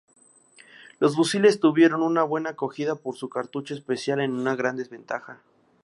Los fusiles tuvieron una buena acogida, pero su cartucho especial era una gran desventaja.